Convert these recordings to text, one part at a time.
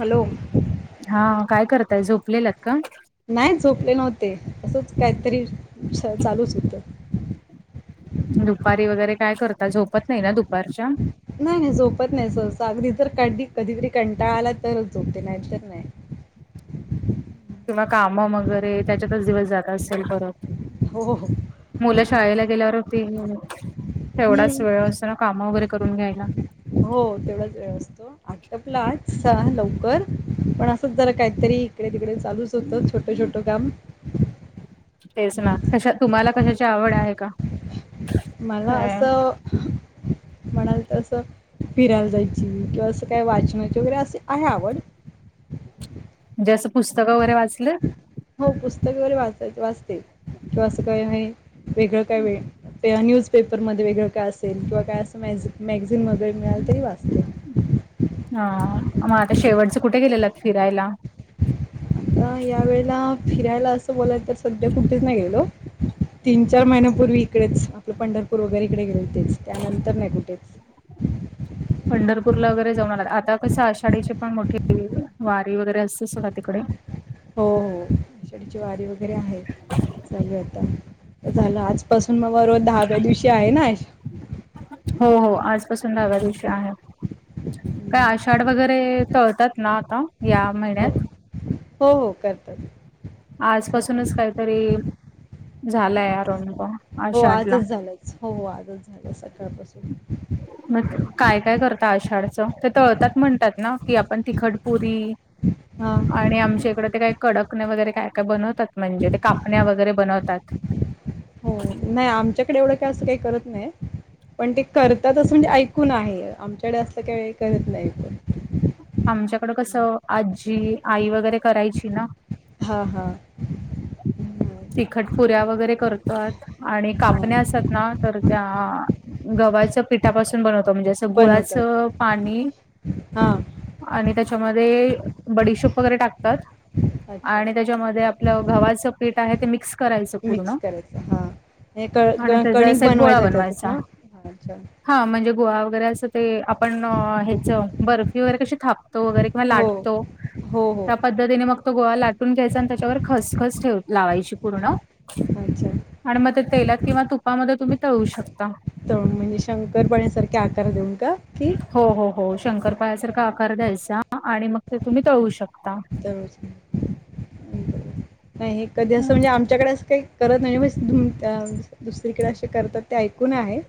Hello हा काय करताय झोपलेलात का नाही झोपले नव्हते असंच काहीतरी चालुच होतं. दुपारी वगैरे काय करतात झोपत नाही ना दुपारच्या नाही नाही झोपत नाही सहस अगदी. तर कधीतरी कंटाळा आला तरच झोपते नाही तर नाही. किंवा काम वगैरे त्याच्यातच दिवस जात असेल परत. हो हो हो मुलं शाळेला गेल्यावर होती तेवढाच वेळ हम्म असतो ना काम वगैरे करून घ्यायला. हो तेवढाच वेळ असतो. आटोपले आज लवकर पण असंच जरा काहीतरी इकडे तिकडे चालुच असते. सुतं छोटं छोटं काम तेच ना हम्म. कशा तुम्हाला कशाची आवड आहे का? मला काय असं म्हणाल तर असं फिरायला जायची किंवा अस काय वाचनाची वगैरे अशी आहे आवड. जे असं पुस्तक वगैरे वाचलं. हो पुस्तक वगैरे वाच वाचते किंवा असं काय आहे. वेगळं काय वेळ न्यूजपेपरमध्येध्ये वेगळं काय असेल किंवा काय असं माहिजे मॅगझीन वगैरे मिळाल तरी वाचते. ह मग आता शेवटचें कुठे गेलेलंत फिरायला? आता या वेळेला फिरायला असं बोलाय तर सध्या कुठेच नाही गेलो. तीन चार महिन्यापुर्वी इकडेच आपले पंढरपूर वगैरे इकडे गेले होतेच त्यानंतर नाही कुठेच. पंढरपूरला वगैरे जाऊन आता कसं आषाढीचे पण मोठे वारी वगैरे असत का तिकडे. हो आषाढीची वारी वगैरे आहे सगळत. झालं आजपसुन मग रोज दहाव्या दिवशी आहे ना हो हो आजपासुन दहिव्या दिवशी आहे. काय आषाढ वगैरे तळतात ना आता या हो महिन्यात. हो हो करतात. आजपासुनच करतात काहीतरी झालाय आरंभ हो आषाढला आजच झालंच. हो आजच झालं सकाळपासुन मग काय काय करत आषाढचं ते तळतात म्हणतात ना की आपण तिखटपुरी हां. आणि आमच्या इकड ते काय कडक नाही वगैरे काय काय बनत. म्हणजे ते कापण्या वगैरे बनवतात‌ हो नाही आमच्याकडे एवढं काय असं काही करत नाही. पण ते करतात असं म्हणजे ऐकून आहे आमच्याकडे असं काहीवेळी करत नाही. कोण. आमच्याकडं कसं आजी आई वगैरे करायची ना हां हां हं, तिखटपुऱ्या वगैरे करतात आणि हां. कापण्या असत ना तर त्या गव्हाचं पिठापासुन बनवतो म्हणजे असं बनवतात. गुळाचं पाणी हां. आणि त्याच्यामध्ये बडीशोप वगैरे टाकतात अच्छा. आणि त्याच्यामध्ये आपलं गव्हाचं पेठ आहे ते मिक्स करायचं पूर्ण हा हे आणि त्याचा कणिक असा एक गोळा बनवायचं त्यातस बनवायचा ना. हा म्हणजे गोहा वगैरे असं ते आपण ह्याच बर्फी वगैरे कशी थाप तो वगैरे किंवा हो. लाटतो हो, हो. त्या पद्धतीने मग तो गोळा लाटून घ्यायचा आणि त्याच्यावर खसखस ठेव लावायची पूर्ण अच्छा. आणि मग ते तेलात किंवा तुपामध्ये तुम्ही तळु शकता. म्हणजे शंकर पाण्यासारखे आकार देऊन का की हो हो हो शंकरपाळसारखा आकार द्यायचा आणि मग ते तुम्ही तळू शकता. तर नाही हे कधी असं म्हणजे आमच्याकडे अस काही करत नाही बस तुम त्या दुसरीकडे असे करतात ते ऐकून आहे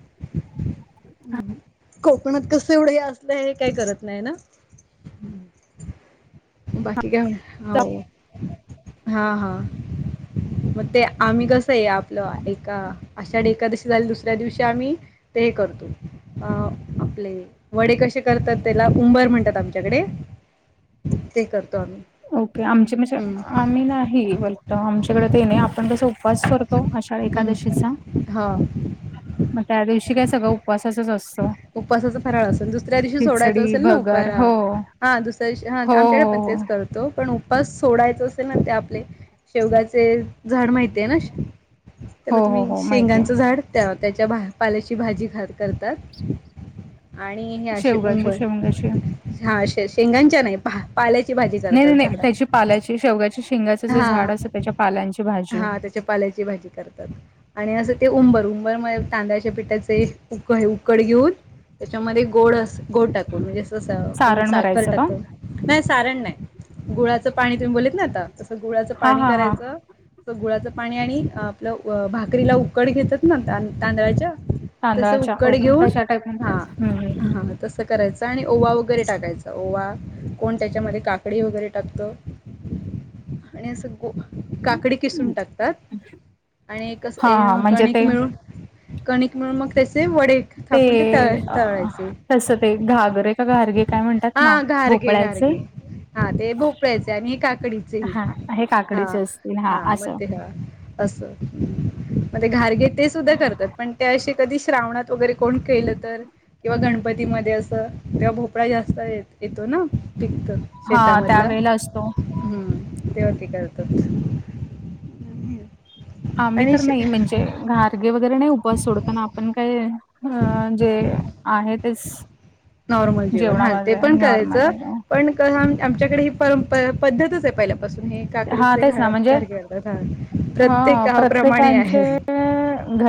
कोकणात कस एवढं असलं हे काही करत नाही ना बाकी काय हो हा हा मग ते आम्ही कसं आहे आपलं एका आषाढी एकादशी झाली दुसऱ्या दिवशी आम्ही ते करतो अ आपले वडे कसे करतात त्याला उंबर म्हणतात आमच्याकडे ते करतो आम्ही ओके आमचे म्हणजे हम्म. आम्ही नाही वेलम आमच्याकडे ते नाही आपण कस उपवास करत अषाढी हम्म. एकादशीचा हा मग त्या दिवशी काय सगळं उपवासाचाच असतो उपवासाचा फराळ असेल दुसऱ्या दिवशी सोडायचा खिचडी असेल ना भगर उपारा हो हा दुसऱ्या दिवशी हा हो आमच्याकडे पण हो तेच करत पण उपास सोडायचा असेल ना ते आपले शेवगाचे झाड माहिती आहे ना हो त्याला हो तुम्ही हो माहितीय शेंगांचं झाड त्या त्याच्या पाल्याची भाजी ख करतात आणि हे असे शेवगाच्या उंबर शेवगाची हाे शेंगांच्या नाही पाल्याची भाजी नाही नाही करतात नाही झाड त्याची पाल्याची शेवग्याच्या शेंगाचं जे हा झाड असतं त्याच्या पाल्यांची भाजी हा त्याच्या पाल्याची भाजी करतात आणि असं ते उंबर-उंबर म तांदळाच्या पिठाचे उकड घेऊन त्याच्यामध्ये गोड-गोड टाकून म्हणजे तस कोण सारण साखर भरायचं का टाकत नाही सारण नाही गुळाचं पाणी तुम्ही बोलत ना आता तसं गुळाचं हा पाणी हा हा करायचं गुळाचं पाणी आणि आपलं भाकरीला उकड घेतात ना तांदळाच्या तांदळाच्या कड ओ घेऊन तशा टाईप हा मध्ये हा करायच आणि ओवा वगैरे टाकायचा ओवा कोण त्याच्यामध्ये काकडी वगैरे टाकतो [inaudible] आणि असं गो काकडी किसून टाकतात आणि हा हा म्हणजे कणिक ते मिळून कणिक मिळून मग त्या ते वडे ते थापून तळ तळायचे तस ते घागरे का घारगे काय म्हणतात ना हा घारगे भोपळ्याचे घारगे हा ते भोपळ्याचे आणि काकडीचेही हा हे हा काकडीचे असतील हा मग असं ते ह अस म ते घारगे ते सुद्धा करतात पण ते अस कधी श्रावणात वगैरे कोण केलं तर किंवा गणपतीमध्ये असं तेिंवा भोपळा जास्त येत येतो ना टिकत हा शेतामधला त्यावेेळेला असतो हम्म तेव्हा ते करतात हा मी आणि तर नाही म्हणजे घारगे वगैरे नाही उपास सोडत ना आपण काय अ जे आहे तेच नॉर्मल जीवन हा ते जेवणामध्ये पण करायचं नॉर्मल पण आमच्याकडे ही परंपरा पद्धतच आहे पहिल्या पासून हे हा काकडीचे तेच घ ना म्हणजे घारगे हा प्रत्येक हा गावाप्रमाणे प्रत्येकांचे आहे.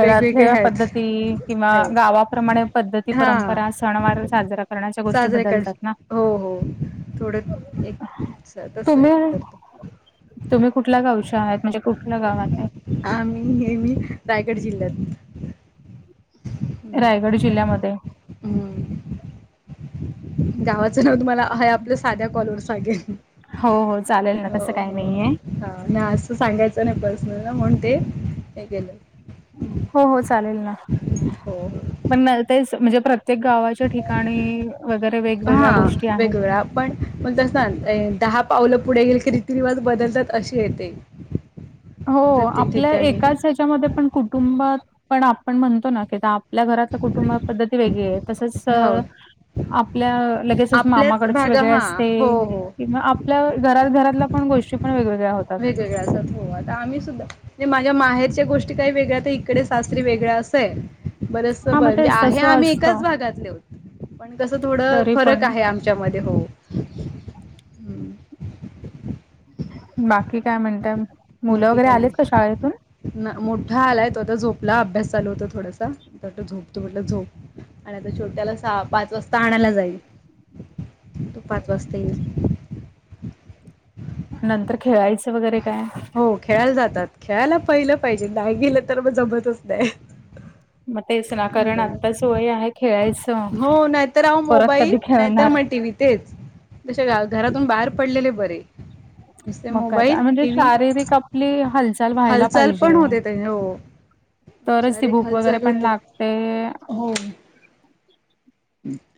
वेगवेगळे आहेत पद्धती किंवा आहेत गावाप्रमाणे पद्धती परंपरा आस सण वाार साजरा करण्याच्या गोष्टी साजऱे कर बदलतात ना हो हो थोडं एक तस आहे तुम्ही करतो. तुम्ही कुठल्या गावच्या आहात म्हणजे कुठल्या गावात आहे. आ्ही हे मी रायगड जिल्ह्यातल. रायगड ह जिल्ह्यामध्ये ह गावाचं नाव तुम्हाला ह आपलं साध्या कॉलवर सांगेल हो हो चालेल ना हो तसं काही हो नाहीये हा ना आस सांगायचं नाही पर्सनलला म्हणून ते केलं हं, हो हो चालेल ना. हो. पण तेच म्हणजे प्रत्येक गावाच्या ठिकाणी वगैरे वेगवेगळ्या हां गोष्टी आहेत. वेगवेगळा पण पण तस ना दहा पावलं पुढे गेल की रीती रिवाज बदलतात अशी येते. हो प्रत्येक आपल्या ठिकाणी एकाच ह्याच्यामध्ये पण कुटुंबात पण आपण म्हणतो ना की [unintelligible] आपल्या घरातल्या कुटुंब पद्धती वेगळी आहे तसंच अ हो आपल्या लगेचच आपल्याच मामाकडचे भागा वेगळे हां असते हो हो. किंवा आप पल्या घरात घरातल्या पण गोष्टी पण वेगवेगळ्या होतात. वेगवेग्यां ठ आम्ही सुद्धा [inaudible] माझ्या माहेरच्या गोष्टी काही वेगळ्या इकडे सासरी वेगळ्या असंय हाय. बरंच बरं हा मग म्हणजे तेच आहे तसं आम्ही असतं एकाच भागातले होत पण तसं थोडं तरी पण फरक आहे आम त्याच्यामध्ये हो. हम्म बाकी काय म्हणतात मुलं बाकी वगैरे काय आलेत नाही. का शाळेतून. ना मोठा आलाय तो आता झोपला अभ्यास चालू होता थोडासा झोप तो म्हटलं झोप. आणि आता छोट्याला सहा पाच वाजता आणायला जाईल तो पाच वाजता येईल. नंतर खेळायचं वगैरे काय. हो खेळायला जातात खेळायला पहिलं पाहिजे नाही गेलं तर मग जमतच नाही. मग तेच ना कारण असं. आत्ता स वोय आहे खेळायच. हो नाहीतर ह मोबाईल नाहीतर मग टीव्ही तेच जश घरातून बाहेर पडलेले बरे. नसते मग काय मोबाईल तर म्हणजे टी व् शारीरिक आपली हालचाल व्हायला हालचाल पण पाहिजे. होते त्याच्या हो. तरच ती शारीरीक भूक वगैरे हालचाल पण होते लागते. हो.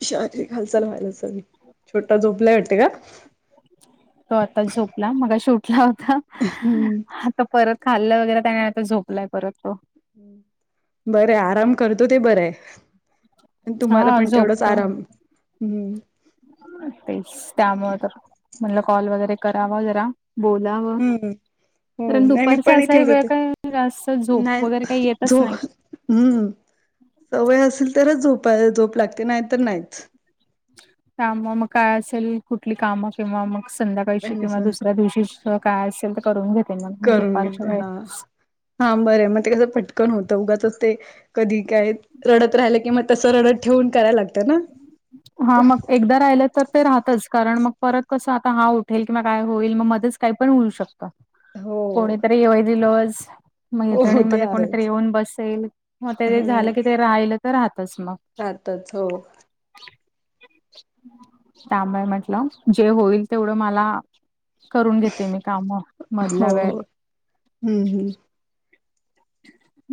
शारीरिक हालचाल व्हायला चल छोटा झोपलाय वाटते का. तो आता झोपला मगा शोटला होता हम्म आता परत खाल्लं वगैरे त्याने आ झोपलाय परत तो. बरं आराम करतो ते बर आहे. आणि तुम्हाला हा पण तेवढाच झोपतो आराम हम्. तेच त्यामु तर म्हणलं कॉल वगैरे करावा जरा बोलावं हम्म हो कारण नाही मी दुपारचा पण असाही ठेवत वेळ होते. काही जास्त झोप नाही वगैरे काही येतच झो नाही. हम्म सवय असेल तरच झोपा झोप लागते नाही तर नाहीच. त्यामुळे मग काय असेल कुठली कामं किंवा मग संध्याकाळीशी किंवा दुसऱ्या दिवशी काय असेल तर करून घेते मग म करून दुपारच्या घेते हा वेळेस. हा बरं मग ते कसं पटकन होतं उगाच ते कधी काय रडत राहिलं कि मग तसं रडत ठेवून करायला लागतं ना. हा मग एकदा राहिलं तर ते राहतच कारण मग परत कसं आता हा उठेल किंवा काय होईल मग मध्येच काही पण होऊ शकत. का हो कोणीतरी येवय दिलोज हो ते मैत्रणीमध्ये कोणीतरी आहेच. येऊन बसेल म ह ते झालं की ते राहिलं तर राहतच मग त्याच हो त्यामुळे म्हटलं जे होईल तेवढं मला करून घेते मी काम मधल्या हो वेळेत हम्म हम्म.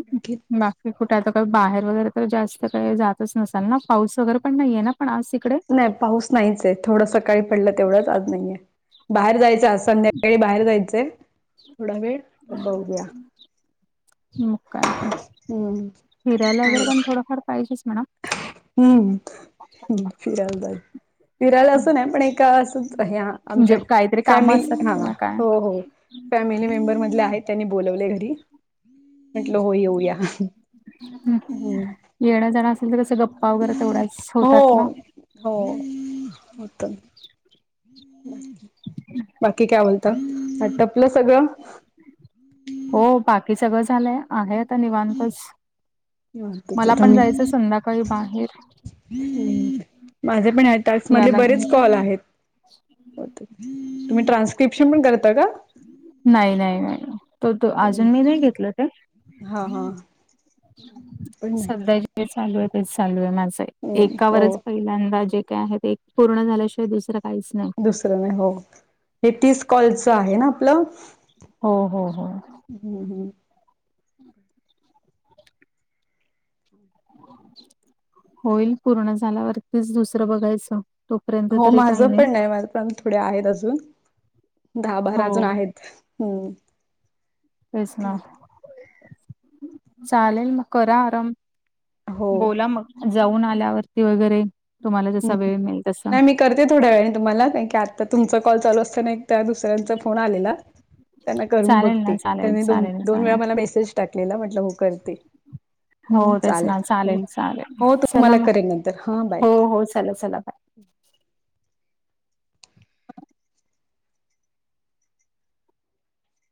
बाकी बाकी कुठे आता काही बाहेर वगैरे तर जास्त काही जातच नसाल ना. पाऊस वगैरे पण नाहीये ना पण आज तिकडे नाही पाऊस नाहीच आहे. थोडं सकाळी पडलं तेवढंच आज नाहीये. बाहेर जायचं आज संध्याकाळी बाहेर जायचंय थोडा वेळ मग बघूया मग काय ग. हम्म फीरायला आहे वगैरे पण थोडंफार पाहिजेच म्हणा हम्म फिरायला जाई फिरायला असं नाही पण एका अस हे म्हणजे आमच्या काहीतरी कामं असतात फॅमिली हां किंवा काय. हो हो फॅमिली मेंबर मधले आहेत, त्यांनी बोलावलंय घरी म्हटलं हो येऊया. हम्म येणं जाणं असेल तर कसं गप् [unintelligible] तेवढ्याच होतात हो ना हो होतं बाकी काय बोलता. आटपलं सगळं? हो बाकी सगळं झालंय आहेत आता निवांतच. निवांतच मला पण जायचं संध्याकाळी बाहेर हो, माझे पण ह्या टास्क मधले याला घेऊन बरेच कॉल आहेत बहुतेक. तुम्ही ट्रांसक्रिप्शन पण करता का? नाही नाही नाही. तो तो अजून मी नाही घेतलं ते, हा हा पण नाही सध्या ते चालू आहे तेच चालू आहे माझे हम्म हो एकावरच पहिल्यांदा जे काय आहे ते पूर्ण झाल्याशिवाय दुसरं काहीच नाही दुसरं नाही हो हे तीस कॉलच आहे ना आपलं हो हो हो. हम्म हम्म. [inaudible] होईल पूर्ण झाल्यावरतीच दुसरं बघायचं तोपर्यंत हो तरी काही माझं पण नाही माझ पण थोडे आहेत अजून दहा बारा हो अजून आहेत. हम्म. तेच ना चालेल मग करा आराम हो बोला मग जाऊन आल्यावरती वगैरे तुम्हाला जसा हम्म वेळ मिळेल तसा नाही मी करते थोड्या वेळाने तुम्हाला. कारण की आता तुमचा कॉल चालू असताना त्या दुसऱ्यांचा फोन आलेला त्यांना करून चालेल ना बघते. चालेल त्यांनी दोन चालेल दोन वेळा चालेल मला मेसेज टाकलेला म्हटलं हो करते. हम्म हो तेच चालेल. ना हो चालेल हो चला तूम्हाला मग करेन नंतर हां बाय. हो हो चला चला. हम्म.